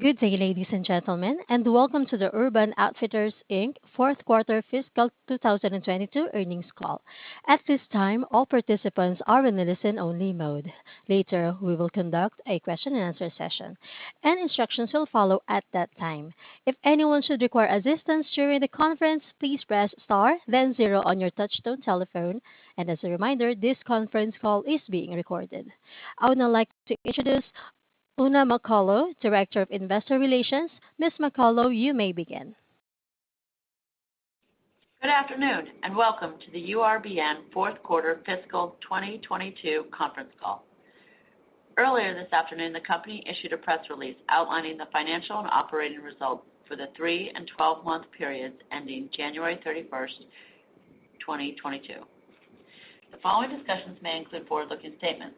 Good day, ladies and gentlemen, and welcome to the Urban Outfitters, Inc. fourth quarter fiscal 2022 earnings call. At this time, all participants are in a listen-only mode. Later, we will conduct a question-and-answer session, and instructions will follow at that time. If anyone should require assistance during the conference, please press star then zero on your touchtone telephone. As a reminder, this conference call is being recorded. I would now like to introduce Oona McCullough, Director of Investor Relations. Ms McCullough, you may begin. Good afternoon, and welcome to the URBN fourth quarter fiscal 2022 conference call. Earlier this afternoon, the company issued a press release outlining the financial and operating results for the 3- and 12-month periods ending January 31, 2022. The following discussions may include forward-looking statements.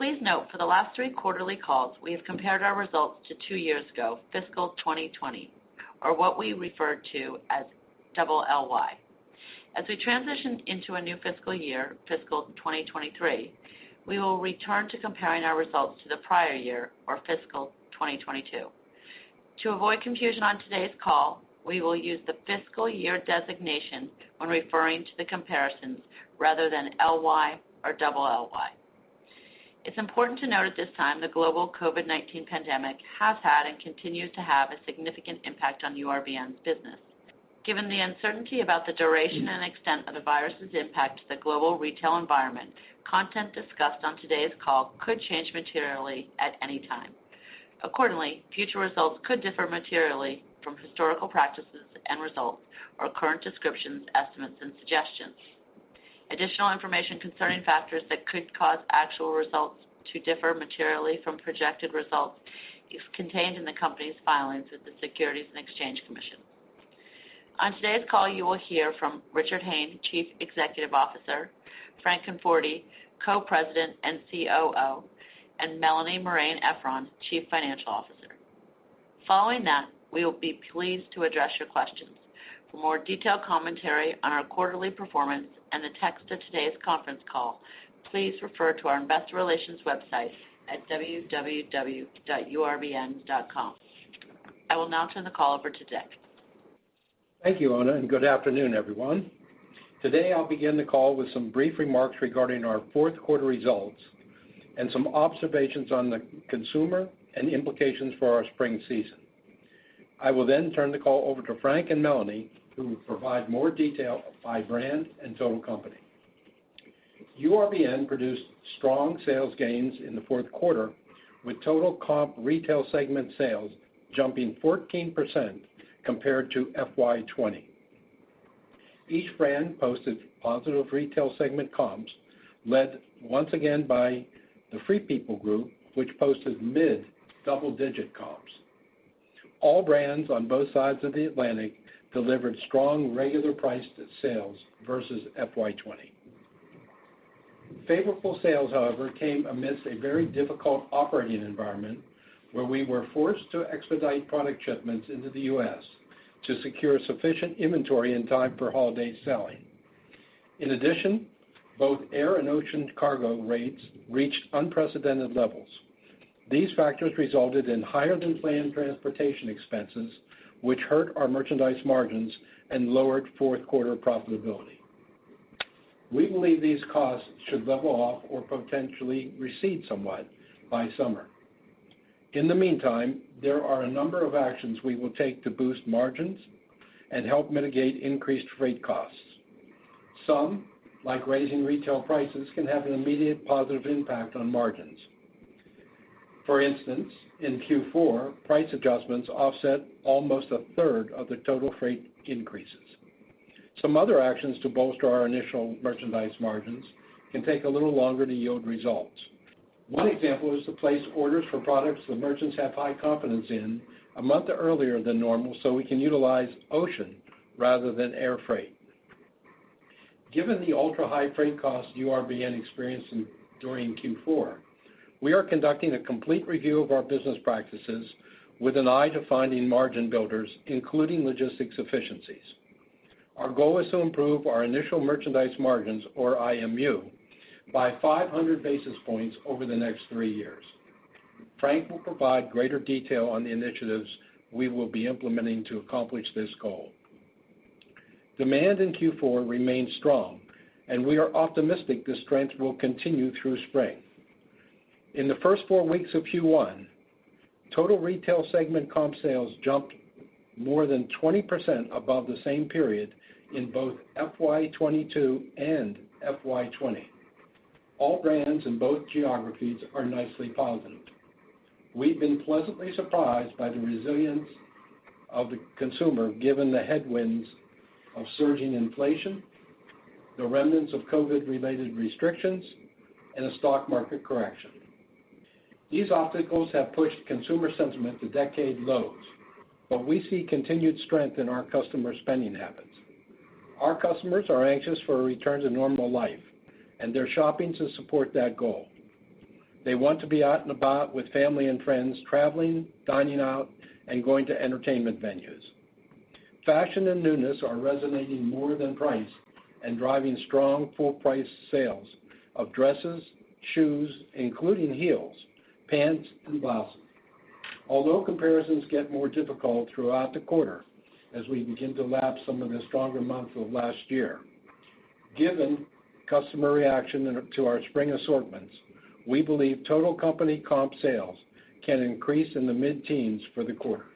Please note, for the last three quarterly calls, we have compared our results to two years ago, fiscal 2020, or what we refer to as double LY. As we transition into a new fiscal year, fiscal 2023, we will return to comparing our results to the prior year, or fiscal 2022. To avoid confusion on today's call, we will use the fiscal year designation when referring to the comparisons rather than LY or double LY. It's important to note at this time the global COVID-19 pandemic has had and continues to have a significant impact on URBN's business. Given the uncertainty about the duration and extent of the virus's impact to the global retail environment, content discussed on today's call could change materially at any time. Accordingly, future results could differ materially from historical practices and results or current descriptions, estimates, and suggestions. Additional information concerning factors that could cause actual results to differ materially from projected results is contained in the company's filings with the Securities and Exchange Commission. On today's call, you will hear from Richard Hayne, Chief Executive Officer, Frank Conforti, Co-President and COO, and Melanie Marein-Efron, Chief Financial Officer. Following that, we will be pleased to address your questions. For more detailed commentary on our quarterly performance and the text of today's conference call, please refer to our investor relations website at www.urbn.com. I will now turn the call over to Dick. Thank you, Oona, and good afternoon, everyone. Today, I'll begin the call with some brief remarks regarding our fourth quarter results and some observations on the consumer and implications for our spring season. I will then turn the call over to Frank and Melanie, who will provide more detail by brand and total company. URBN produced strong sales gains in the fourth quarter, with total comp Retail segment sales jumping 14% compared to FY 2020. Each brand posted positive Retail segment comps, led once again by the Free People Group, which posted mid-double-digit comps. All brands on both sides of the Atlantic delivered strong, regular-priced sales versus FY 2020. Favourable sales, however, came amidst a very difficult operating environment where we were forced to expedite product shipments into the U.S. to secure sufficient inventory in time for holiday selling. In addition, both air and ocean cargo rates reached unprecedented levels. These factors resulted in higher-than-planned transportation expenses, which hurt our merchandise margins and lowered fourth quarter profitability. We believe these costs should level off or potentially recede somewhat by summer. In the meantime, there are a number of actions we will take to boost margins and help mitigate increased freight costs. Some, like raising retail prices, can have an immediate positive impact on margins. For instance, in Q4, price adjustments offset almost a third of the total freight increases. Some other actions to bolster our initial merchandise margins can take a little longer to yield results. One example is to place orders for products the merchants have high confidence in a month earlier than normal, so we can utilize ocean rather than air freight. Given the ultra-high freight costs URBN experienced during Q4, we are conducting a complete review of our business practices with an eye to finding margin builders, including logistics efficiencies. Our goal is to improve our initial merchandise margins or IMU by 500 basis points over the next three years. Frank will provide greater detail on the initiatives we will be implementing to accomplish this goal. Demand in Q4 remained strong, and we are optimistic the strength will continue through spring. In the first four weeks of Q1, total Retail segment comp sales jumped more than 20% above the same period in both FY 2022 and FY 2020. All brands in both geographies are nicely positive. We've been pleasantly surprised by the resilience of the consumer, given the headwinds of surging inflation, the remnants of COVID-related restrictions, and a stock market correction. These obstacles have pushed consumer sentiment to decade lows, but we see continued strength in our customer spending habits. Our customers are anxious for a return to normal life, and they're shopping to support that goal. They want to be out and about with family and friends, traveling, dining out, and going to entertainment venues. Fashion and newness are resonating more than price and driving strong full price sales of dresses, shoes, including heels, pants, and blouses. Although comparisons get more difficult throughout the quarter, as we begin to lap some of the stronger months of last year. Given customer reaction to our spring assortments, we believe total company comp sales can increase in the mid-teens for the quarter.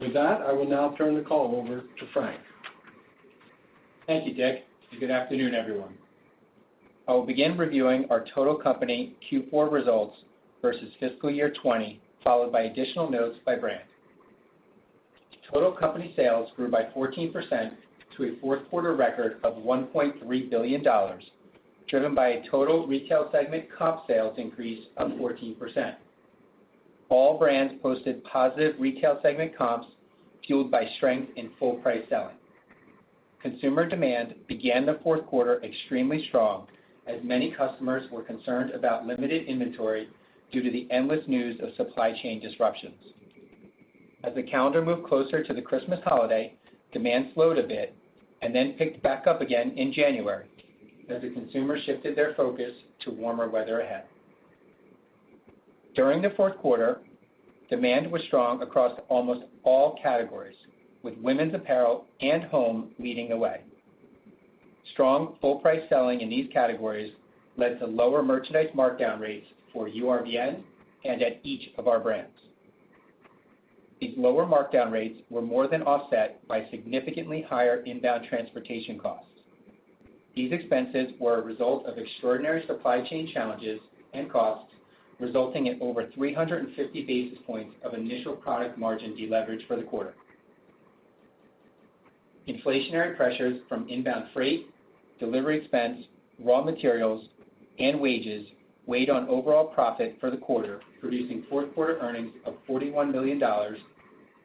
With that, I will now turn the call over to Frank. Thank you, Dick, and good afternoon, everyone. I will begin reviewing our total company Q4 results versus fiscal year 2020, followed by additional notes by brand. Total company sales grew by 14% to a fourth quarter record of $1.3 billion, driven by a total Retail segment comp sales increase of 14%. All brands posted positive Retail segment comps, fueled by strength in full price selling. Consumer demand began the fourth quarter extremely strong as many customers were concerned about limited inventory due to the endless news of supply chain disruptions. As the calendar moved closer to the Christmas holiday, demand slowed a bit and then picked back up again in January as the consumer shifted their focus to warmer weather ahead. During the fourth quarter, demand was strong across almost all categories, with women's apparel and home leading the way. Strong full price selling in these categories led to lower merchandise markdown rates for URBN and at each of our brands. These lower markdown rates were more than offset by significantly higher inbound transportation costs. These expenses were a result of extraordinary supply chain challenges and costs, resulting in over 350 basis points of initial product margin deleverage for the quarter. Inflationary pressures from inbound freight, delivery expense, raw materials, and wages weighed on overall profit for the quarter, producing fourth quarter earnings of $41 million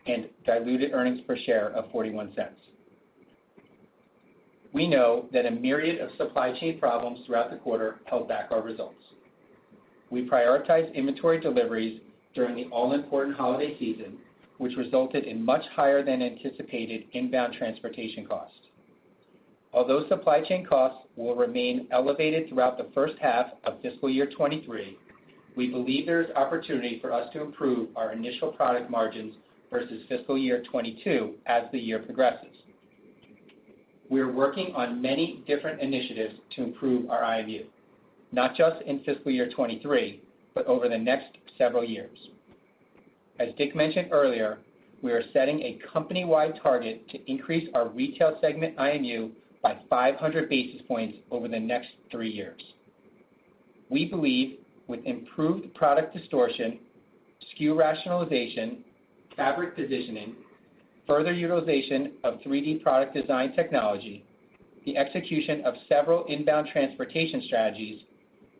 and diluted earnings per share of $0.41. We know that a myriad of supply chain problems throughout the quarter held back our results. We prioritized inventory deliveries during the all-important holiday season, which resulted in much higher than anticipated inbound transportation costs. Although supply chain costs will remain elevated throughout the first half of fiscal year 2023, we believe there is opportunity for us to improve our initial product margins versus fiscal year 2022 as the year progresses. We are working on many different initiatives to improve our IMU, not just in fiscal year 2023, but over the next several years. As Dick mentioned earlier, we are setting a company-wide target to increase our Retail segment IMU by 500 basis points over the next three years. We believe with improved product assortment, SKU rationalization, fabric positioning, further utilization of 3-D product design technology, the execution of several inbound transportation strategies,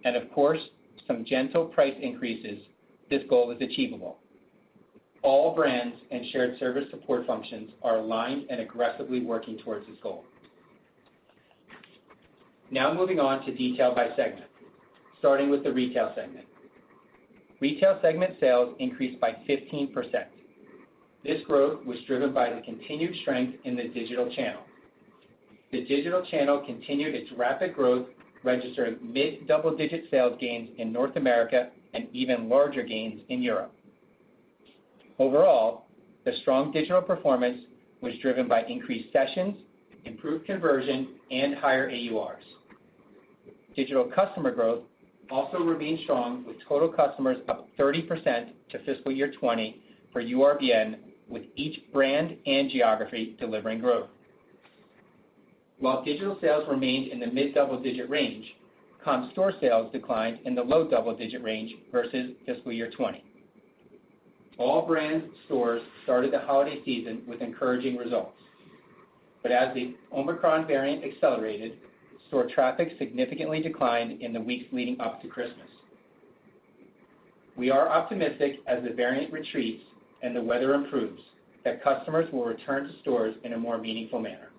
and, of course, some gentle price increases, this goal is achievable. All brands and shared service support functions are aligned and aggressively working towards this goal. Now moving on to details by segment, starting with the Retail segment. Retail segment sales increased by 15%. This growth was driven by the continued strength in the digital channel. The digital channel continued its rapid growth, registering mid-double-digit sales gains in North America and even larger gains in Europe. Overall, the strong digital performance was driven by increased sessions, improved conversion, and higher AURs. Digital customer growth also remained strong with total customers up 30% to fiscal year 2020 for URBN, with each brand and geography delivering growth. While digital sales remained in the mid-double-digit range, comp store sales declined in the low double-digit range versus fiscal year 2020. All brand stores started the holiday season with encouraging results. As the Omicron variant accelerated, store traffic significantly declined in the weeks leading up to Christmas. We are optimistic as the variant retreats and the weather improves that customers will return to stores in a more meaningful manner.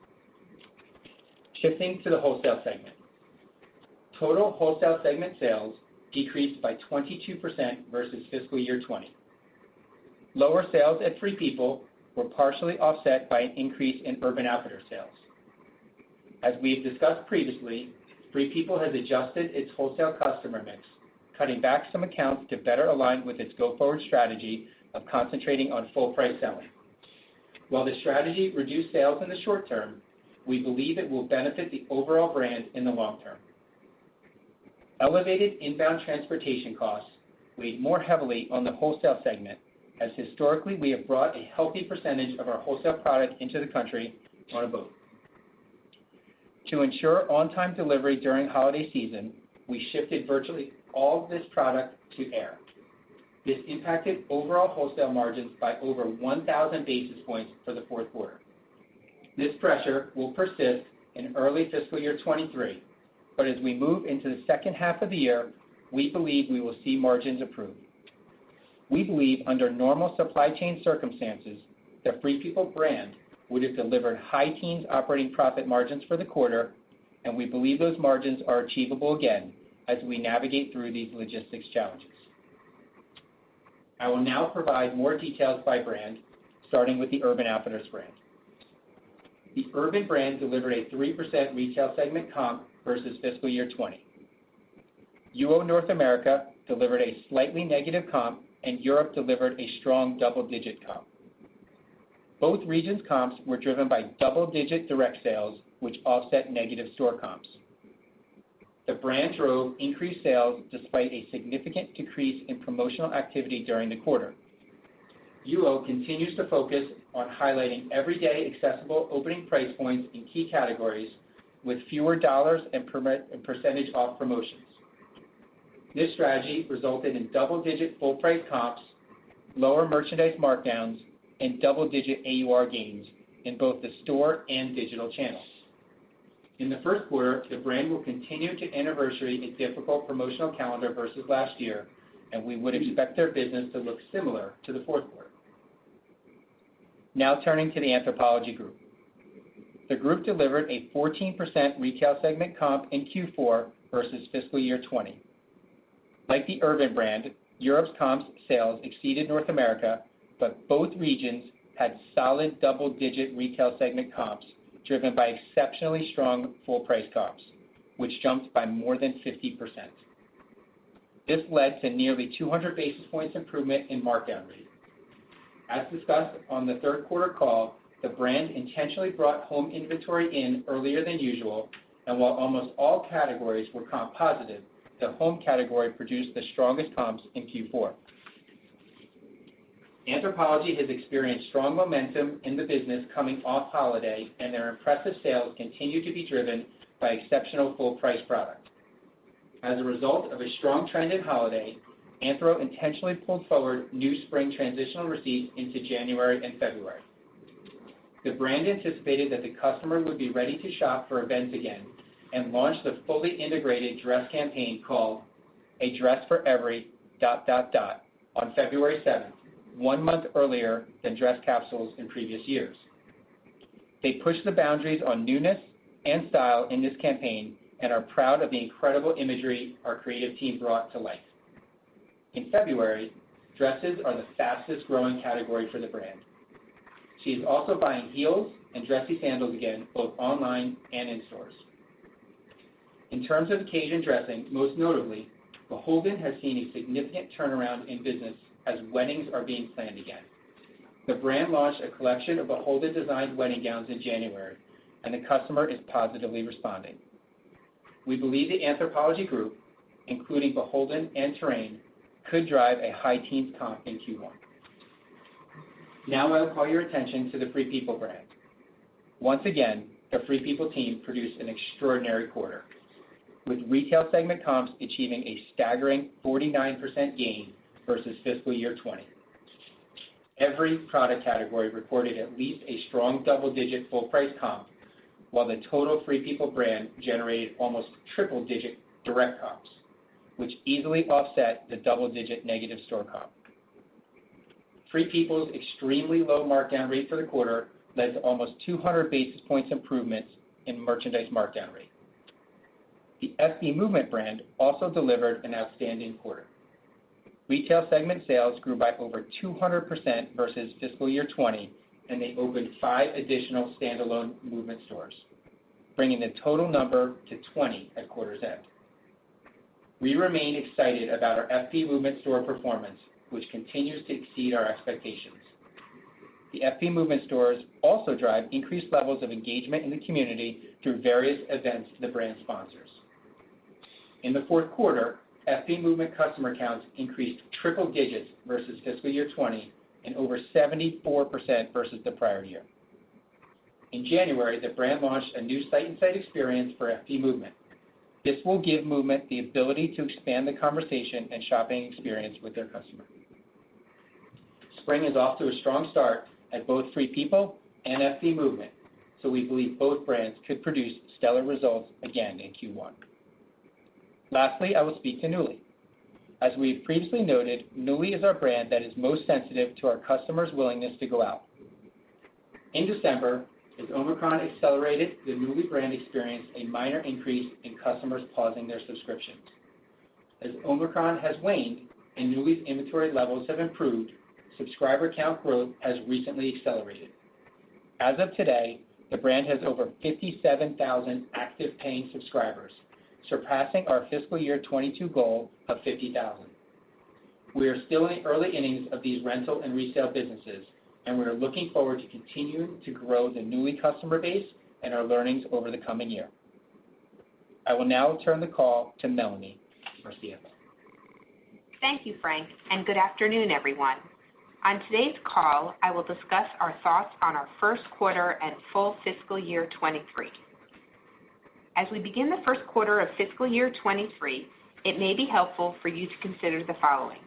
Shifting to the wholesale segment. Total wholesale segment sales decreased by 22% versus fiscal year 2020. Lower sales at Free People were partially offset by an increase in Urban Outfitters sales. As we've discussed previously, Free People has adjusted its wholesale customer mix, cutting back some accounts to better align with its go-forward strategy of concentrating on full price selling. While the strategy reduced sales in the short term, we believe it will benefit the overall brand in the long term. Elevated inbound transportation costs weighed more heavily on the wholesale segment, as historically, we have brought a healthy percentage of our wholesale product into the country on a boat. To ensure on-time delivery during holiday season, we shifted virtually all of this product to air. This impacted overall wholesale margins by over 1,000 basis points for the fourth quarter. This pressure will persist in early fiscal year 2023, but as we move into the second half of the year, we believe we will see margins improve. We believe under normal supply chain circumstances, the Free People brand would have delivered high teens operating profit margins for the quarter, and we believe those margins are achievable again as we navigate through these logistics challenges. I will now provide more details by brand, starting with the Urban Outfitters brand. The Urban brand delivered a 3% Retail segment comp versus fiscal year 2020. UO North America delivered a slightly negative comp, and Europe delivered a strong double-digit comp. Both regions' comps were driven by double-digit direct sales, which offset negative store comps. The brand drove increased sales despite a significant decrease in promotional activity during the quarter. UO continues to focus on highlighting everyday accessible opening price points in key categories with fewer dollars and percentage off promotions. This strategy resulted in double-digit full price comps, lower merchandise markdowns, and double-digit AUR gains in both the store and digital channels. In the first quarter, the brand will continue to anniversary the difficult promotional calendar versus last year, and we would expect their business to look similar to the fourth quarter. Now turning to the Anthropologie Group. The group delivered a 14% Retail segment comp in Q4 versus fiscal year 2020. Like the Urban brand, Europe's comps sales exceeded North America, but both regions had solid double-digit Retail segment comps driven by exceptionally strong full price comps, which jumped by more than 50%. This led to nearly 200 basis points improvement in markdown rate. As discussed on the third quarter call, the brand intentionally brought home inventory in earlier than usual, and while almost all categories were comp positive, the home category produced the strongest comps in Q4. Anthropologie has experienced strong momentum in the business coming off holiday, and their impressive sales continue to be driven by exceptional full-price product. As a result of a strong trend in holiday, Anthro intentionally pulled forward new spring transitional receipts into January and February. The brand anticipated that the customer would be ready to shop for events again and launched the fully integrated dress campaign called A Dress For Every... on February 7th, one month earlier than dress capsules in previous years. They pushed the boundaries on newness and style in this campaign and are proud of the incredible imagery our creative team brought to life. In February, dresses are the fastest-growing category for the brand. She's also buying heels and dressy sandals again, both online and in stores. In terms of occasion dressing, most notably, BHLDN has seen a significant turnaround in business as weddings are being planned again. The brand launched a collection of BHLDN-designed wedding gowns in January, and the customer is positively responding. We believe the Anthropologie Group, including BHLDN and Terrain, could drive a high teens comp in Q1. Now, I'll call your attention to the Free People brand. Once again, the Free People team produced an extraordinary quarter, with Retail segment comps achieving a staggering 49% gain versus fiscal year 2020. Every product category reported at least a strong double-digit full price comp, while the total Free People brand generated almost triple-digit direct comps, which easily offset the double-digit negative store comp. Free People's extremely low markdown rate for the quarter led to almost 200 basis points improvements in merchandise markdown rate. The FP Movement brand also delivered an outstanding quarter. Retail segment sales grew by over 200% versus fiscal year 2020, and they opened five additional standalone Movement stores, bringing the total number to 20 at quarter's end. We remain excited about our FP Movement store performance, which continues to exceed our expectations. The FP Movement stores also drive increased levels of engagement in the community through various events the brand sponsors. In the fourth quarter, FP Movement customer counts increased triple digits versus fiscal year 2020 and over 74% versus the prior year. In January, the brand launched a new site and site experience for FP Movement. This will give Movement the ability to expand the conversation and shopping experience with their customer. Spring is off to a strong start at both Free People and FP Movement, so we believe both brands could produce stellar results again in Q1. Lastly, I will speak to Nuuly. As we've previously noted, Nuuly is our brand that is most sensitive to our customers' willingness to go out. In December, as Omicron accelerated, the Nuuly brand experienced a minor increase in customers pausing their subscriptions. As Omicron has waned and Nuuly's inventory levels have improved, subscriber count growth has recently accelerated. As of today, the brand has over 57,000 active paying subscribers, surpassing our fiscal year 2022 goal of 50,000. We are still in the early innings of these rental and resale businesses, and we are looking forward to continuing to grow the Nuuly customer base and our learnings over the coming year. I will now turn the call to Melanie for CFO. Thank you, Frank, and good afternoon, everyone. On today's call, I will discuss our thoughts on our first quarter and full fiscal year 2023. As we begin the first quarter of fiscal year 2023, it may be helpful for you to consider the following.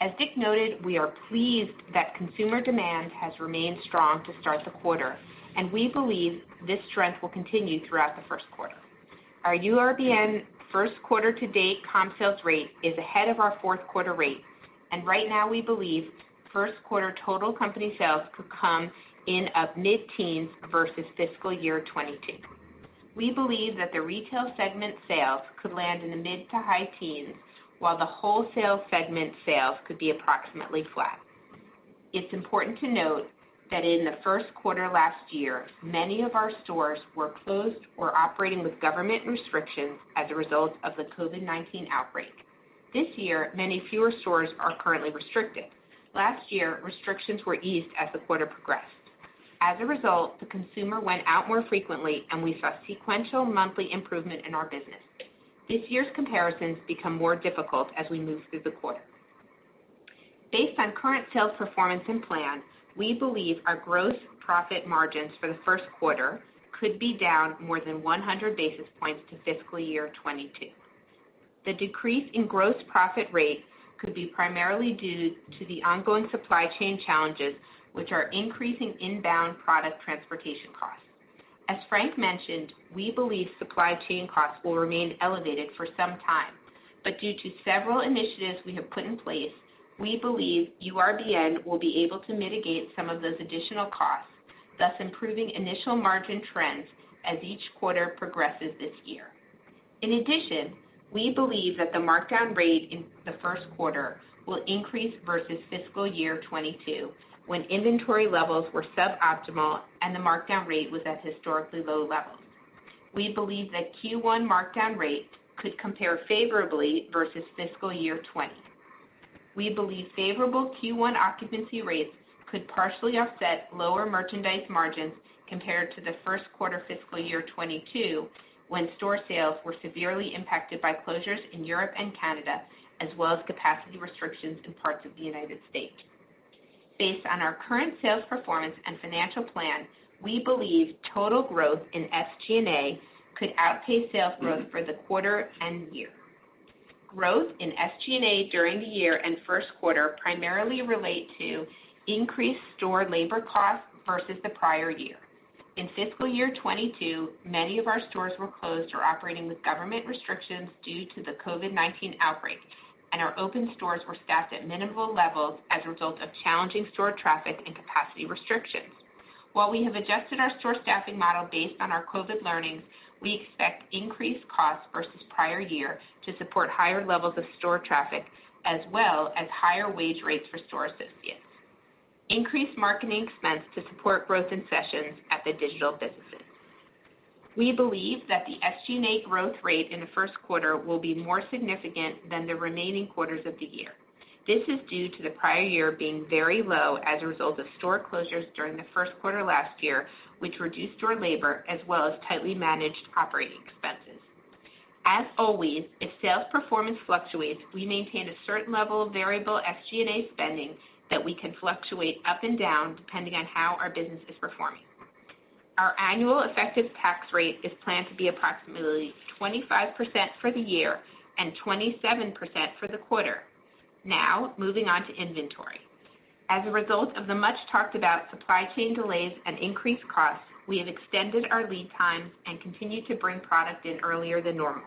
As Dick noted, we are pleased that consumer demand has remained strong to start the quarter, and we believe this trend will continue throughout the first quarter. Our URBN first quarter to date comp sales rate is ahead of our fourth quarter rate, and right now, we believe first quarter total company sales could come in at mid-teens versus fiscal year 2022. We believe that the Retail segment sales could land in the mid- to high-teens, while the wholesale segment sales could be approximately flat. It's important to note that in the first quarter last year, many of our stores were closed or operating with government restrictions as a result of the COVID-19 outbreak. This year, many fewer stores are currently restricted. Last year, restrictions were eased as the quarter progressed. As a result, the consumer went out more frequently, and we saw sequential monthly improvement in our business. This year's comparisons become more difficult as we move through the quarter. Based on current sales performance and plan, we believe our gross profit margins for the first quarter could be down more than 100 basis points to fiscal year 2022. The decrease in gross profit rate could be primarily due to the ongoing supply chain challenges, which are increasing inbound product transportation costs. As Frank mentioned, we believe supply chain costs will remain elevated for some time. Due to several initiatives we have put in place, we believe URBN will be able to mitigate some of those additional costs, thus improving initial margin trends as each quarter progresses this year. In addition, we believe that the markdown rate in the first quarter will increase versus fiscal year 2022, when inventory levels were suboptimal, and the markdown rate was at historically low levels. We believe that Q1 markdown rates could compare favorably versus fiscal year 2020. We believe favorable Q1 occupancy rates could partially offset lower merchandise margins compared to the first quarter fiscal year 2022, when store sales were severely impacted by closures in Europe and Canada, as well as capacity restrictions in parts of the United States. Based on our current sales performance and financial plan, we believe total growth in SG&A could outpace sales growth for the quarter and year. Growth in SG&A during the year and first quarter primarily relate to increased store labor costs versus the prior year. In fiscal year 2022, many of our stores were closed or operating with government restrictions due to the COVID-19 outbreak, and our open stores were staffed at minimal levels as a result of challenging store traffic and capacity restrictions. While we have adjusted our store staffing model based on our COVID learnings, we expect increased costs versus prior year to support higher levels of store traffic, as well as higher wage rates for store associates. Increased marketing expense to support growth in sessions at the digital businesses. We believe that the SG&A growth rate in the first quarter will be more significant than the remaining quarters of the year. This is due to the prior year being very low as a result of store closures during the first quarter last year, which reduced store labor as well as tightly managed operating expenses. As always, if sales performance fluctuates, we maintain a certain level of variable SG&A spending that we can fluctuate up and down depending on how our business is performing. Our annual effective tax rate is planned to be approximately 25% for the year and 27% for the quarter. Now, moving on to inventory. As a result of the much-talked-about supply chain delays and increased costs, we have extended our lead times and continued to bring product in earlier than normal.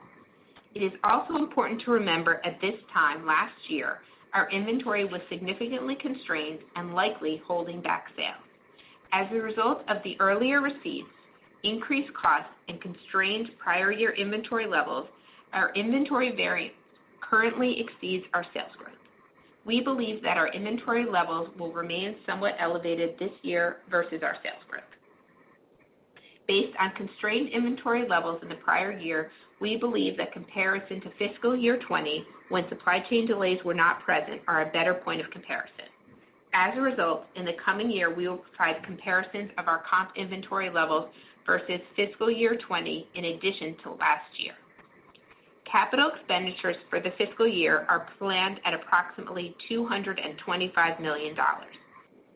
It is also important to remember at this time last year, our inventory was significantly constrained and likely holding back sales. As a result of the earlier receipts, increased costs, and constrained prior year inventory levels, our inventory variance currently exceeds our sales growth. We believe that our inventory levels will remain somewhat elevated this year versus our sales growth. Based on constrained inventory levels in the prior year, we believe that comparison to fiscal year 2020, when supply chain delays were not present, are a better point of comparison. As a result, in the coming year, we will provide comparisons of our comp inventory levels versus fiscal year 2020 in addition to last year. Capital expenditures for the fiscal year are planned at approximately $225 million.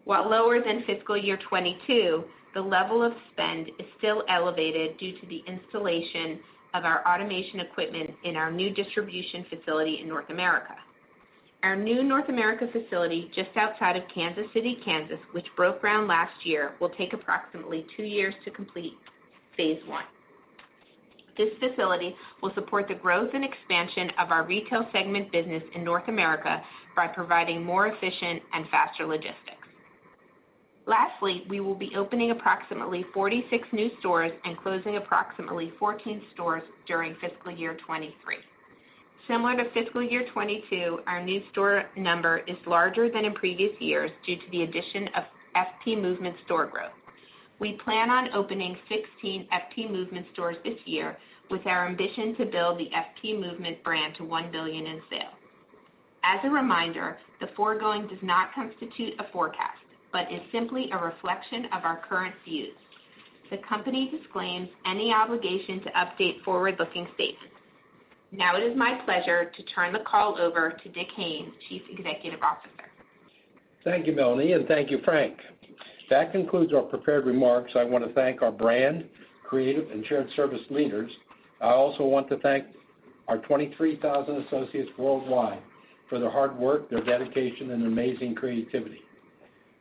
While lower than fiscal year 2022, the level of spend is still elevated due to the installation of our automation equipment in our new distribution facility in North America. Our new North America facility, just outside of Kansas City, Kansas, which broke ground last year, will take approximately two years to complete phase one. This facility will support the growth and expansion of our Retail segment business in North America by providing more efficient and faster logistics. Lastly, we will be opening approximately 46 new stores and closing approximately 14 stores during fiscal year 2023. Similar to fiscal year 2022, our new store number is larger than in previous years due to the addition of FP Movement store growth. We plan on opening 16 FP Movement stores this year, with our ambition to build the FP Movement brand to $1 billion in sales. As a reminder, the foregoing does not constitute a forecast, but is simply a reflection of our current views. The company disclaims any obligation to update forward-looking statements. Now it is my pleasure to turn the call over to Dick Hayne, Chief Executive Officer. Thank you, Melanie, and thank you, Frank. That concludes our prepared remarks. I want to thank our brand, creative, and shared service leaders. I also want to thank our 23,000 associates worldwide for their hard work, their dedication, and amazing creativity.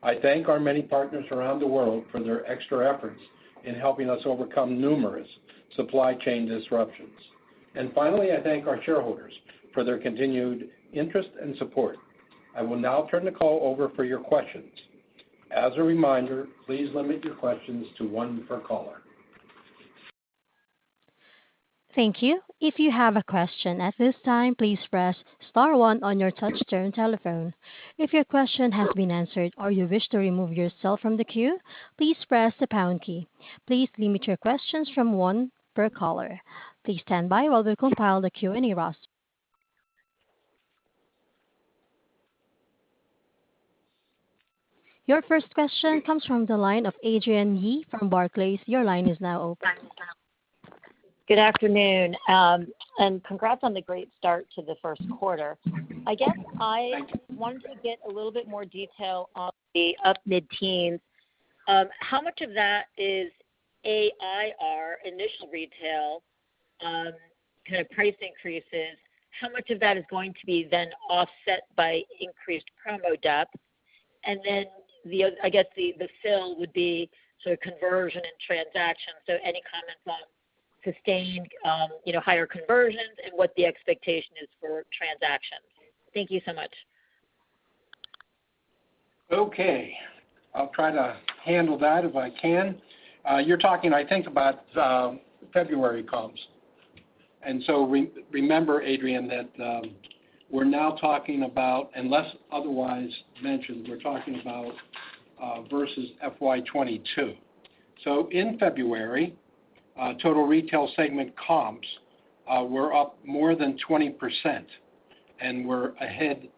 I thank our many partners around the world for their extra efforts in helping us overcome numerous supply chain disruptions. Finally, I thank our shareholders for their continued interest and support. I will now turn the call over for your questions. As a reminder, please limit your questions to one per caller. Thank you. If you have a question at this time, please press star one on your touchtone telephone. If your question has been answered or you wish to remove yourself from the queue, please press the pound key. Please limit your questions from one per caller. Please stand by while we compile the Q&A roster. Your first question comes from the line of Adrienne Yih from Barclays. Your line is now open. Good afternoon, and congrats on the great start to the first quarter. I guess I wanted to get a little bit more detail on the up mid-teens. How much of that is AUR, initial retail, kind of price increases? How much of that is going to be then offset by increased promo depth? I guess the fill would be sort of conversion and transaction. Any comments on sustained, you know, higher conversions and what the expectation is for transactions? Thank you so much. Okay. I'll try to handle that if I can. You're talking, I think, about February comps. Remember, Adrienne, that, unless otherwise mentioned, we're talking about versus FY 2022. In February, total Retail segment comps were up more than 20% and were ahead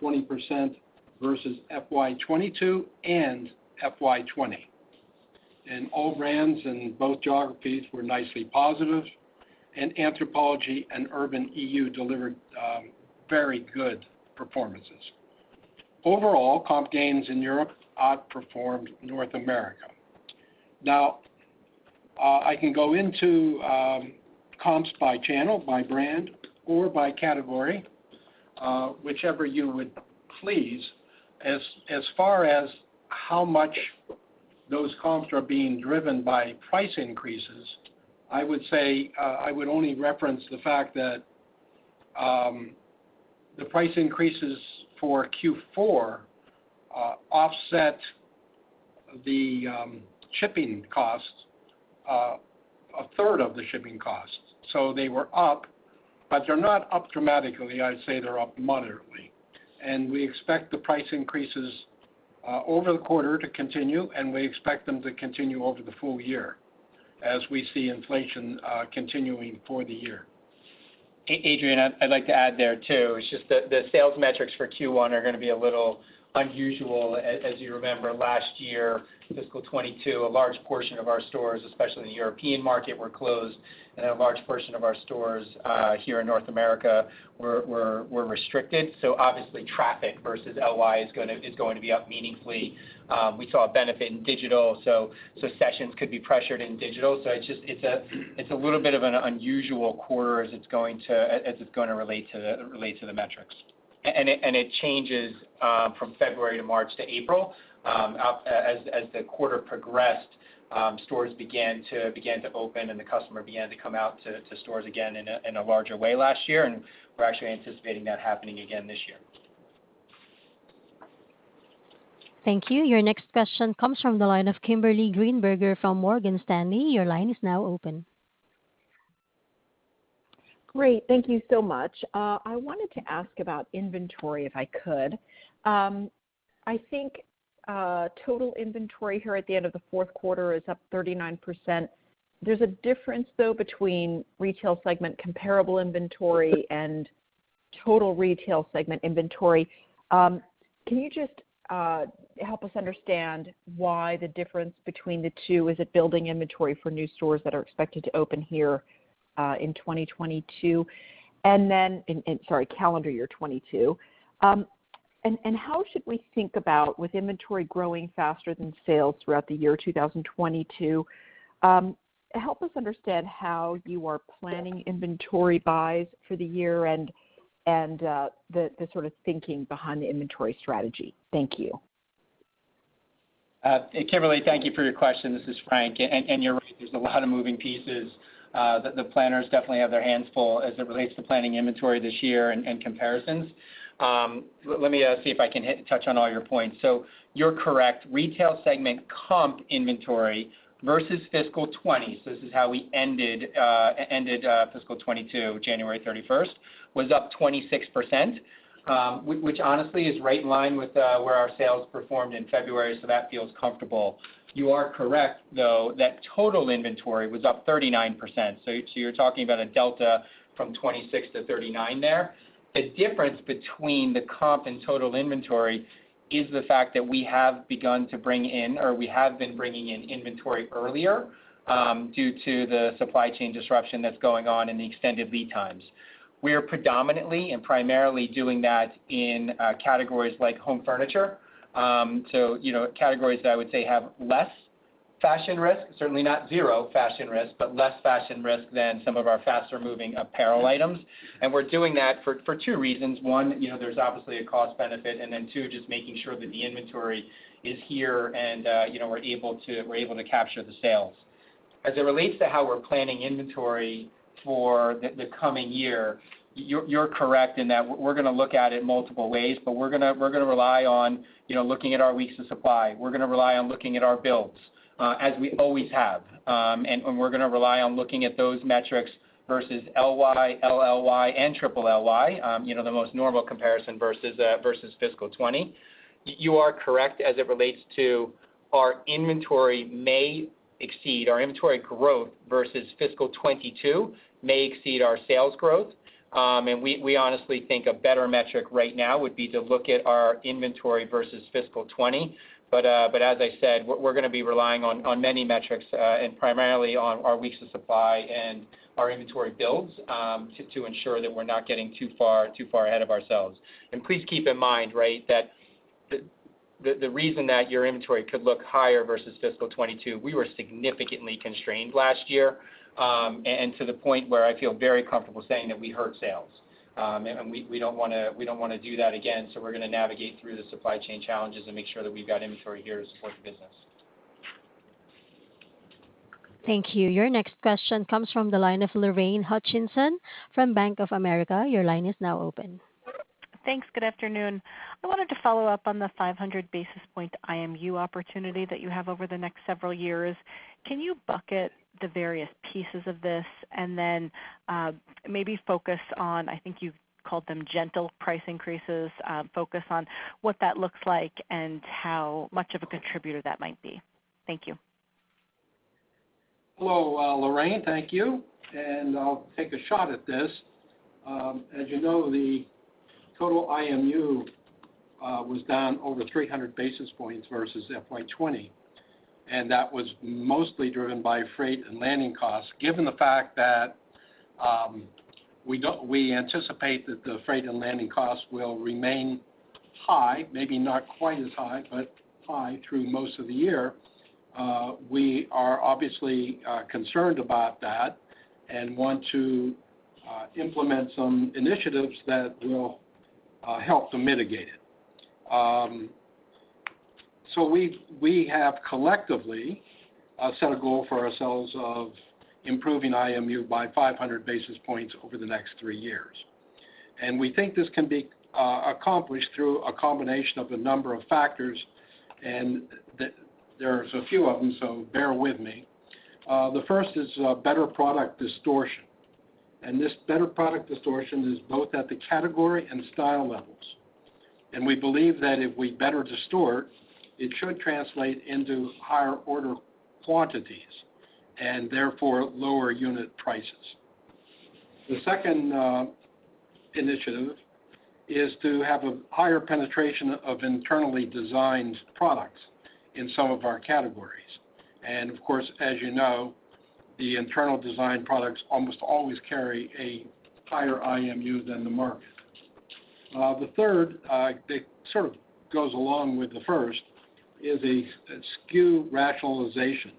20% versus FY 2022 and FY 2020. All brands in both geographies were nicely positive, and Anthropologie and Urban EU delivered very good performances. Overall, comp gains in Europe outperformed North America. Now, I can go into comps by channel, by brand, or by category, whichever you would please. As far as how much those comps are being driven by price increases, I would say I would only reference the fact that the price increases for Q4 offset the shipping costs a third of the shipping costs. They were up, but they're not up dramatically. I'd say they're up moderately. We expect the price increases over the quarter to continue, and we expect them to continue over the full year as we see inflation continuing for the year. Adrienne, I'd like to add there, too. It's just that the sales metrics for Q1 are gonna be a little unusual. As you remember, last year, fiscal 2022, a large portion of our stores, especially in the European market, were closed, and a large portion of our stores here in North America were restricted. Obviously, traffic versus LY is going to be up meaningfully. We saw a benefit in digital, so sessions could be pressured in digital. It's just a little bit of an unusual quarter, as it's going to relate to the metrics. It changes from February to March to April. As the quarter progressed, stores began to open, and the customer began to come out to stores again in a larger way last year, and we're actually anticipating that happening again this year. Thank you. Your next question comes from the line of Kimberly Greenberger from Morgan Stanley. Your line is now open. Great. Thank you so much. I wanted to ask about inventory, if I could. I think total inventory here at the end of the fourth quarter is up 39%. There's a difference, though, between Retail segment comparable inventory and total Retail segment inventory. Can you just help us understand why the difference between the two? Is it building inventory for new stores that are expected to open here in 2022? And then. Sorry, calendar year 2022. And how should we think about with inventory growing faster than sales throughout the year 2022, help us understand how you are planning inventory buys for the year and the sort of thinking behind the inventory strategy. Thank you. Kimberly, thank you for your question. This is Frank. You're right, there's a lot of moving pieces that the planners definitely have their hands full as it relates to planning inventory this year and comparisons. Let me see if I can touch on all your points. You're correct, Retail segment comp inventory versus fiscal 2020, so this is how we ended fiscal 2022, January 31, was up 26%, which honestly is right in line with where our sales performed in February, so that feels comfortable. You are correct, though, that total inventory was up 39%, so you're talking about a delta from 26 to 39 there. The difference between the comp and total inventory is the fact that we have begun to bring in, or we have been bringing in, inventory earlier, due to the supply chain disruption that's going on and the extended lead times. We are predominantly and primarily doing that in categories like home furniture. You know, categories that I would say have less fashion risk, certainly not zero fashion risk, but less fashion risk than some of our faster-moving apparel items. We're doing that for two reasons. One, you know, there's obviously a cost benefit. Then two, just making sure that the inventory is here. You know, we're able to capture the sales. As it relates to how we're planning inventory for the coming year, you're correct in that we're gonna look at it multiple ways, but we're gonna rely on, you know, looking at our weeks of supply. We're gonna rely on looking at our builds as we always have. We're gonna rely on looking at those metrics versus LY, LLY, and triple LLY, you know, the most normal comparison versus fiscal 2020. You are correct, as it relates to our inventory may exceed our inventory growth versus fiscal 2022, may exceed our sales growth. We honestly think a better metric right now would be to look at our inventory versus fiscal 2020. As I said, we're gonna be relying on many metrics, and primarily on our weeks of supply and our inventory builds, to ensure that we're not getting too far ahead of ourselves. Please keep in mind, right, that the reason that your inventory could look higher versus fiscal 2022, we were significantly constrained last year, and to the point where I feel very comfortable saying that we hurt sales. We don't wanna do that again, so we're gonna navigate through the supply chain challenges and make sure that we've got inventory here to support the business. Thank you. Your next question comes from the line of Lorraine Hutchinson from Bank of America. Your line is now open. Thanks. Good afternoon. I wanted to follow up on the 500 basis point IMU opportunity that you have over the next several years. Can you bucket the various pieces of this and then, maybe focus on, I think you called them, gentle price increases, focus on what that looks like and how much of a contributor that might be? Thank you. Hello, Lorraine. Thank you. I'll take a shot at this. As you know, the total IMU was down over 300 basis points versus FY 2020, and that was mostly driven by freight and landing costs. Given the fact that we anticipate that the freight and landing costs will remain high, maybe not quite as high, but high through most of the year, we are obviously concerned about that and want to implement some initiatives that will help to mitigate it. So we have collectively set a goal for ourselves of improving IMU by 500 basis points over the next three years. We think this can be accomplished through a combination of a number of factors, and there's a few of them, so bear with me. The first is a better product distortion. This better product distortion is both at the category and style levels. We believe that if we better distort, it should translate into higher order quantities and therefore lower unit prices. The second initiative is to have a higher penetration of internally designed products in some of our categories. Of course, as you know, the internal design products almost always carry a higher IMU than the market. The third that sort of goes along with the first, is a SKU rationalization.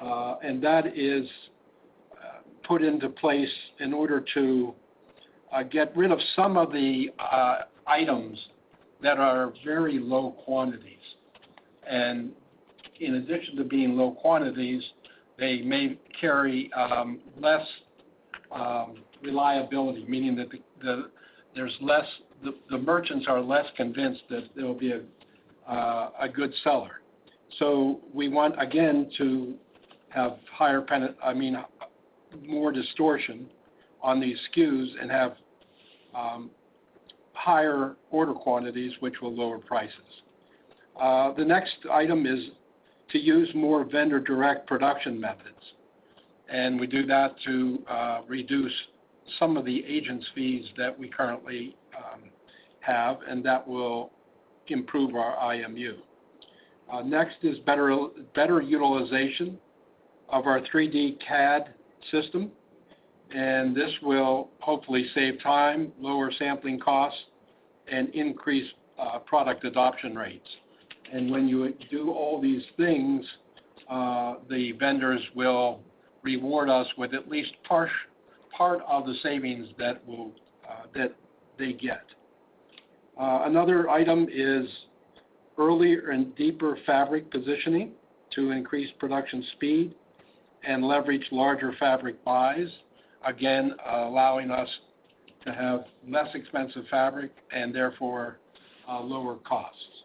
That is put into place in order to get rid of some of the items that are very low quantities. In addition to being low quantities, they may carry less reliability. Meaning that the merchants are less convinced that they'll be a good seller. We want, again, to have higher penet-- I mean, more distortion on these SKUs and have higher order quantities, which will lower prices. The next item is to use more vendor-direct production methods, and we do that to reduce some of the agents' fees that we currently have, and that will improve our IMU. Next is better utilization of our 3D CAD system, and this will hopefully save time, lower sampling costs, and increase product adoption rates. When you do all these things, the vendors will reward us with at least part of the savings that they get. Another item is earlier and deeper fabric positioning to increase production speed and leverage larger fabric buys, again, allowing us to have less expensive fabric and therefore lower costs.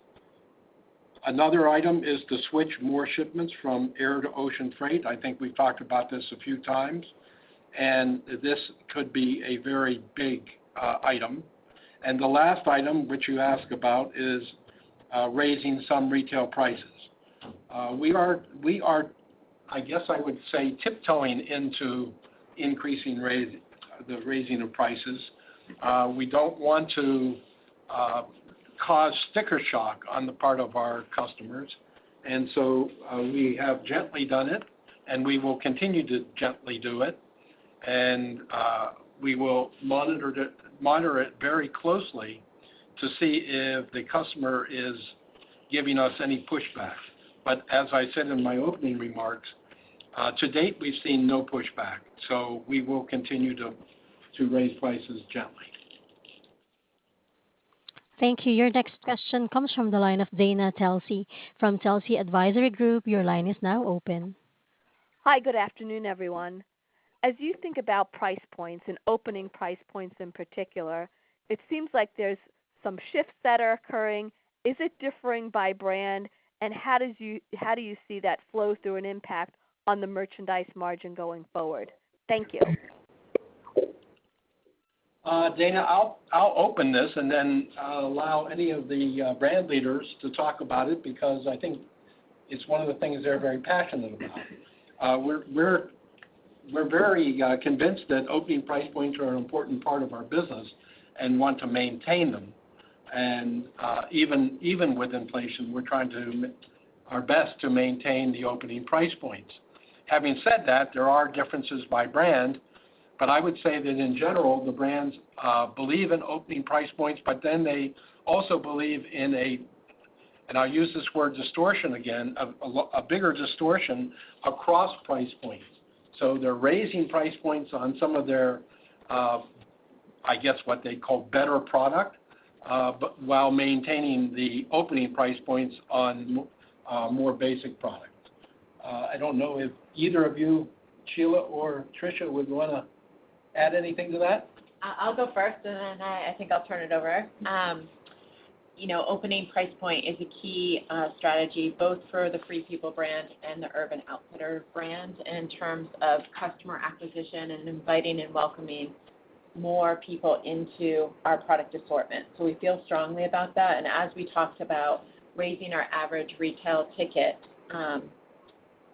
Another item is to switch more shipments from air to ocean freight. I think we've talked about this a few times. This could be a very big item. The last item, which you asked about, is raising some retail prices. We are, I guess I would say, tiptoeing into the raising of prices. We don't want to cause sticker shock on the part of our customers. We have gently done it, and we will continue to gently do it. We will monitor it very closely to see if the customer is giving us any pushback. As I said in my opening remarks, to date, we've seen no pushback, so we will continue to raise prices gently. Thank you. Your next question comes from the line of Dana Telsey from Telsey Advisory Group. Your line is now open. Hi, good afternoon, everyone. As you think about price points and opening price points in particular, it seems like there's some shifts that are occurring. Is it differing by brand? How do you see that flow through an impact on the merchandise margin going forward? Thank you. Dana, I'll open this and then allow any of the brand leaders to talk about it because I think it's one of the things they're very passionate about. We're very convinced that opening price points are an important part of our business and want to maintain them. Even with inflation, we're trying to do our best to maintain the opening price points. Having said that, there are differences by brand, but I would say that in general, the brands believe in opening price points, but then they also believe in a, and I'll use this word distortion again, a bigger distortion across price points. They're raising price points on some of their, I guess, what they call better product, but while maintaining the opening price points on more basic product. I don't know if either of you, Sheila or Tricia, would wanna add anything to that. I'll go first, and then I think I'll turn it over. You know, opening price point is a key strategy, both for the Free People brand and the Urban Outfitters brand in terms of customer acquisition and inviting and welcoming more people into our product assortment. We feel strongly about that. As we talked about raising our average retail ticket,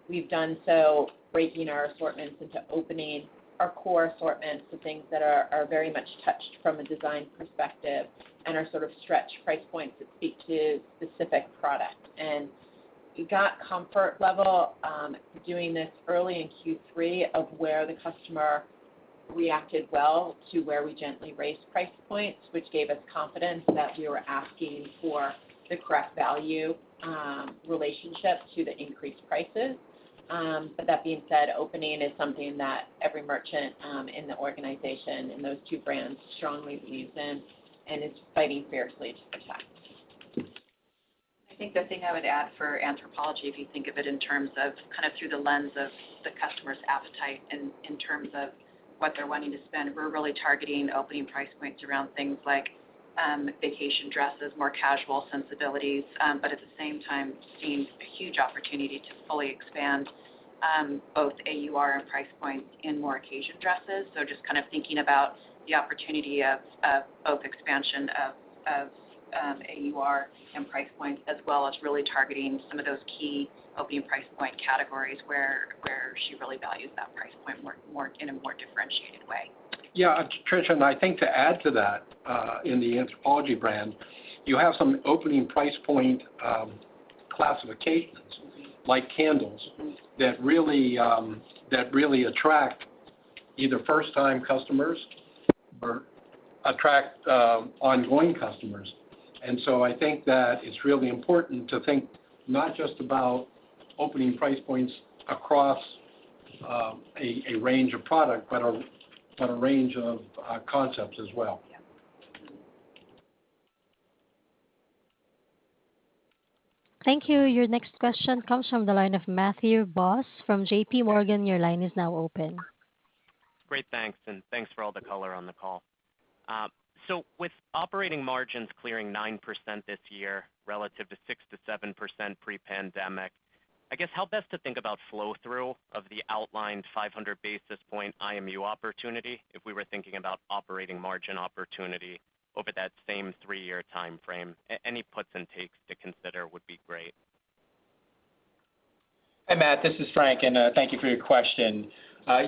we've done so breaking our assortments into opening our core assortments to things that are very much touched from a design perspective and are sort of stretch price points that speak to specific product. We got comfort level doing this early in Q3 of where the customer reacted well to where we gently raised price points, which gave us confidence that we were asking for the correct value relationship to the increased prices. That being said, opening is something that every merchant in the organization in those two brands strongly believes in, and it's fighting fiercely to protect. I think the thing I would add for Anthropologie, if you think of it in terms of kind of through the lens of the customer's appetite in terms of what they're wanting to spend, we're really targeting opening price points around things like vacation dresses, more casual sensibilities, but at the same time, seeing a huge opportunity to fully expand both AUR and price point in more occasion dresses. Just kind of thinking about the opportunity of both expansion of AUR and price points, as well as really targeting some of those key opening price point categories where she really values that price point more in a more differentiated way. Tricia, I think to add to that, in the Anthropologie brand, you have some opening price point classifications like candles that really attract either first-time customers or ongoing customers. I think that it's really important to think not just about opening price points across a range of product, but a range of concepts as well. Yeah. Thank you. Your next question comes from the line of Matthew Boss from JPMorgan. Your line is now open. Great. Thanks. Thanks for all the color on the call. With operating margins clearing 9% this year relative to 6%-7% pre-pandemic, I guess help us to think about flow-through of the outlined 500 basis point IMU opportunity if we were thinking about operating margin opportunity over that same three-year timeframe. Any puts and takes to consider would be great. Hi, Matt. This is Frank, and thank you for your question.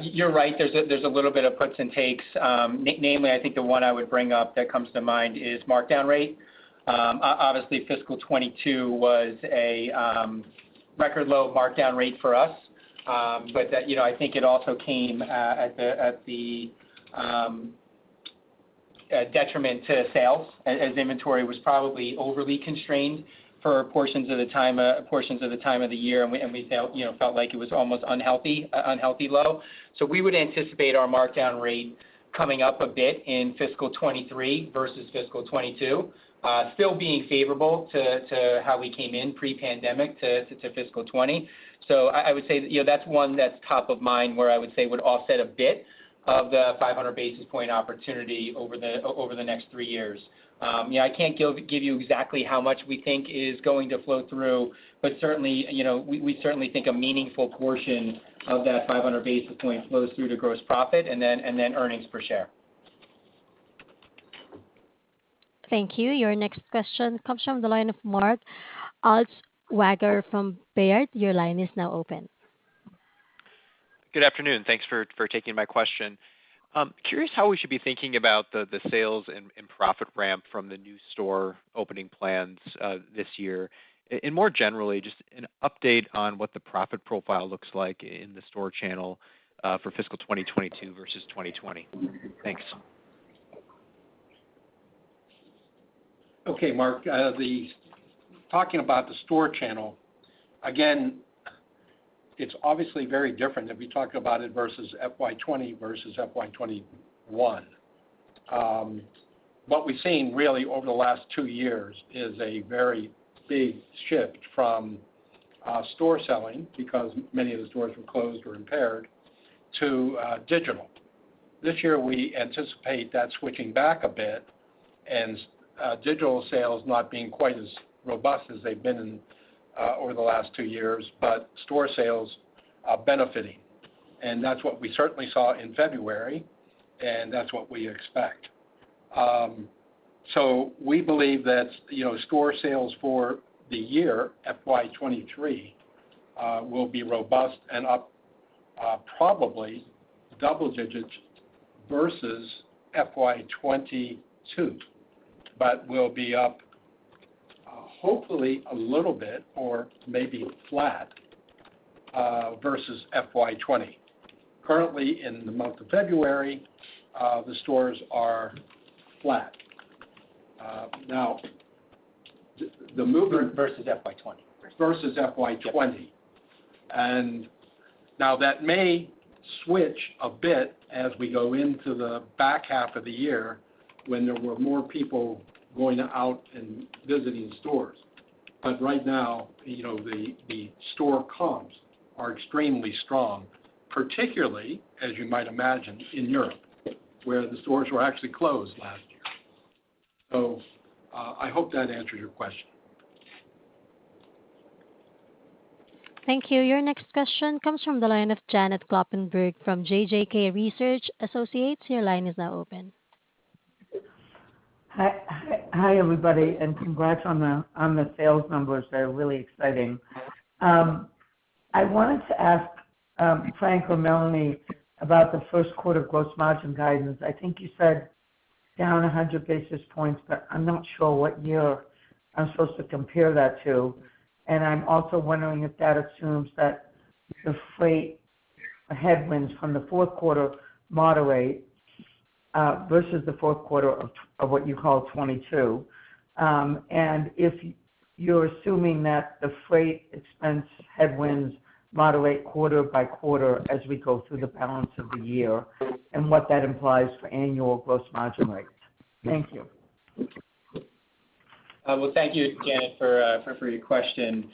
You're right. There's a little bit of puts and takes. Namely, I think the one I would bring up that comes to mind is markdown rate. Obviously, fiscal 2022 was a record low markdown rate for us. But that, you know, I think it also came at the detriment to sales as inventory was probably overly constrained for portions of the time of the year. We felt, you know, like it was almost unhealthy low. We would anticipate our markdown rate coming up a bit in fiscal 2023 versus fiscal 2022, still being favorable to how we came in pre-pandemic to fiscal 2020. I would say, you know, that's one that's top of mind, where it would offset a bit of the 500 basis point opportunity over the next three years. Yeah, I can't give you exactly how much we think is going to flow through, but certainly, you know, we certainly think a meaningful portion of that 500 basis points flows through to gross profit and then earnings per share. Thank you. Your next question comes from the line of Mark Altschwager from Baird. Your line is now open. Good afternoon. Thanks for taking my question. Curious how we should be thinking about the sales and profit ramp from the new store opening plans this year. More generally, just an update on what the profit profile looks like in the store channel for fiscal 2022 versus 2020. Thanks. Okay, Mark. Talking about the store channel, it's obviously very different if we talk about it versus FY 2020 versus FY 2021. What we've seen really over the last two years is a very big shift from store selling because many of the stores were closed or impaired to digital. This year, we anticipate that switching back a bit and digital sales not being quite as robust as they've been over the last two years, but store sales are benefiting. That's what we certainly saw in February, and that's what we expect. We believe that, you know, store sales for the year, FY 2023, will be robust and up, probably double digits versus FY 2022. We'll be up hopefully a little bit or maybe flat versus FY 2020. Currently, in the month of February, the stores are flat. Now the movement. Versus FY 2020. Versus FY 2020. Now that may switch a bit as we go into the back half of the year, when there were more people going out and visiting stores. Right now, you know, the store comps are extremely strong, particularly as you might imagine, in Europe, where the stores were actually closed last year. I hope that answered your question. Thank you. Your next question comes from the line of Janet Kloppenburg from JJK Research Associates. Your line is now open. Hi, everybody, and congrats on the sales numbers. They're really exciting. I wanted to ask Frank or Melanie about the first quarter gross margin guidance. I think you said down 100 basis points, but I'm not sure what year I'm supposed to compare that to. I'm also wondering if that assumes that the freight headwinds from the fourth quarter moderate versus the fourth quarter of what you call 2022. If you're assuming that the freight expense headwinds moderate quarter by quarter as we go through the balance of the year, and what that implies for annual gross margin rates? Thank you. Well, thank you, Janet, for your question.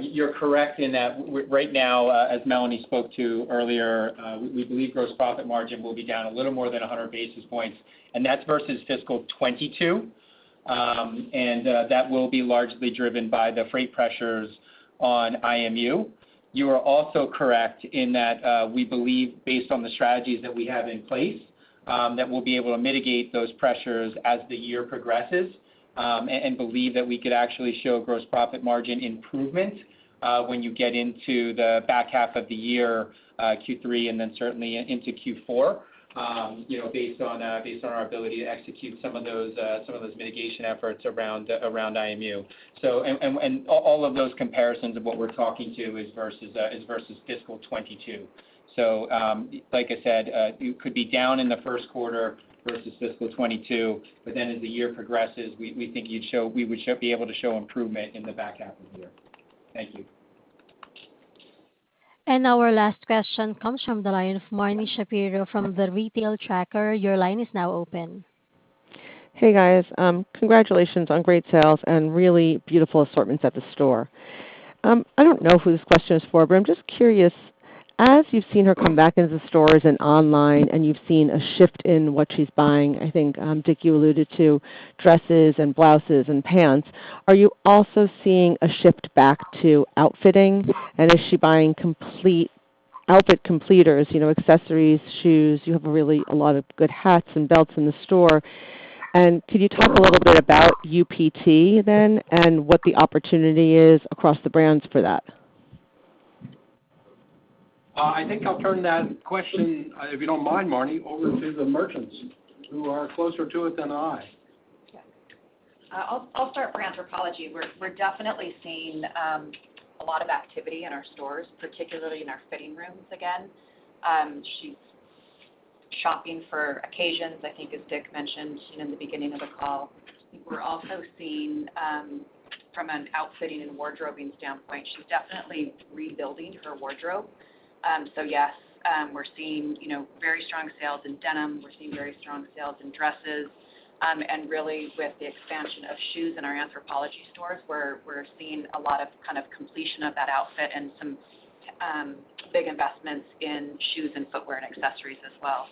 You're correct in that right now, as Melanie spoke to earlier, we believe gross profit margin will be down a little more than 100 basis points, and that's versus fiscal 2022. That will be largely driven by the freight pressures on IMU. You are also correct in that, we believe based on the strategies that we have in place, that we'll be able to mitigate those pressures as the year progresses, and believe that we could actually show gross profit margin improvement, when you get into the back half of the year, Q3, and then certainly into Q4, you know, based on our ability to execute some of those mitigation efforts around IMU. All of those comparisons of what we're talking about is versus fiscal 2022. Like I said, it could be down in the first quarter versus fiscal 2022, but then as the year progresses, we think we would be able to show improvement in the back half of the year. Thank you. Our last question comes from the line of Marni Shapiro from The Retail Tracker. Your line is now open. Hey, guys. Congratulations on great sales and really beautiful assortments at the store. I don't know who this question is for, but I'm just curious, as you've seen her come back into the stores and online, and you've seen a shift in what she's buying, I think, Dick, you alluded to dresses, and blouses and pants. Are you also seeing a shift back to outfitting? And is she buying complete outfit completers, you know, accessories, shoes? You have really a lot of good hats and belts in the store. Could you talk a little bit about UPT then, and what the opportunity is across the brands for that? I think I'll turn that question, if you don't mind, Marni, over to the merchants who are closer to it than I. Yeah. I'll start for Anthropologie. We're definitely seeing a lot of activity in our stores, particularly in our fitting rooms again. She's shopping for occasions, I think, as Dick mentioned in the beginning of the call. We're also seeing, from an outfitting and wardrobing standpoint, she's definitely rebuilding her wardrobe. Yes, we're seeing, you know, very strong sales in denim. We're seeing very strong sales in dresses. Really, with the expansion of shoes in our Anthropologie stores, we're seeing a lot of kind of completion of that outfit and some big investments in shoes, and footwear and accessories as well.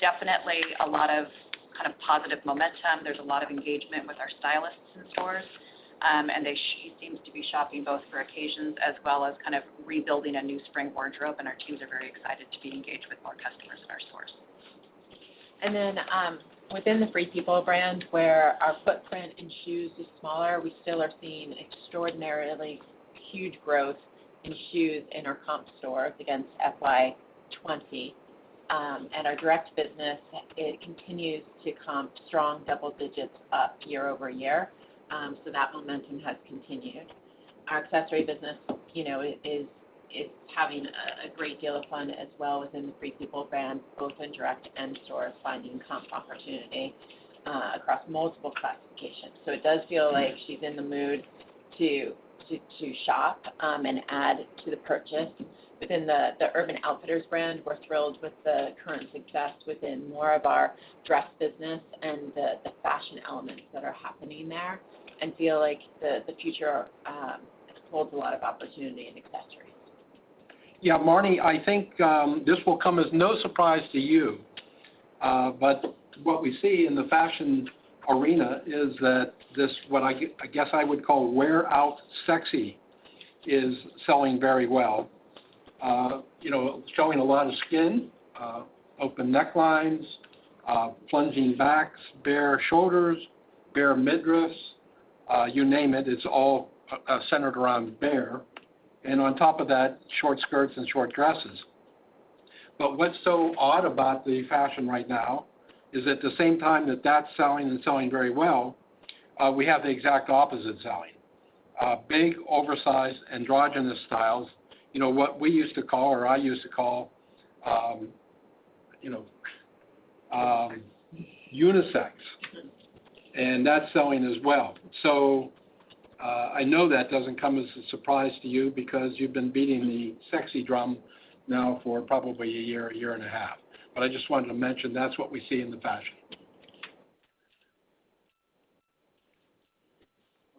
Definitely a lot of kind of positive momentum. There's a lot of engagement with our stylists in stores. She seems to be shopping both for occasions as well as kind of rebuilding a new spring wardrobe, and our teams are very excited to be engaged with more customers in our stores. Within the Free People brand, where our footprint in shoes is smaller, we still are seeing extraordinarily huge growth in shoes in our comp stores against FY 2020. Our direct business, it continues to comp strong double-digits up year-over-year, so that momentum has continued. Our accessory business, you know, is having a great deal of fun as well within the Free People brand, both in direct and store, finding comp opportunity across multiple classifications. It does feel like she's in the mood to shop and add to the purchase. Within the Urban Outfitters brand, we're thrilled with the current success within more of our dress business and the fashion elements that are happening there and feel like the future holds a lot of opportunity in accessories. Yeah, Marni, I think this will come as no surprise to you. What we see in the fashion arena is that this, I guess I would call wear-out sexy, is selling very well. You know, showing a lot of skin, open necklines, plunging backs, bare shoulders, bare midriffs, you name it's all centered around bare and on top of that, short skirts and short dresses. What's so odd about the fashion right now is at the same time that that's selling and selling very well, we have the exact opposite selling, big, oversized, androgynous styles. You know what we used to call, or I used to call, you know, unisex, and that's selling as well. I know that doesn't come as a surprise to you because you've been beating the sexy drum now for probably a year, a year and a half. I just wanted to mention that's what we see in the fashion.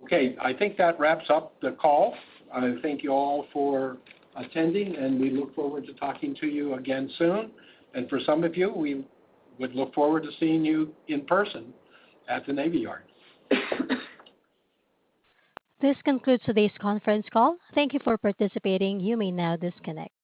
Okay, I think that wraps up the call. I thank you all for attending, and we look forward to talking to you again soon. For some of you, we would look forward to seeing you in person at the Navy Yard. This concludes today's conference call. Thank you for participating. You may now disconnect.